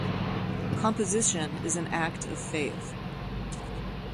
Composition is an act of faith.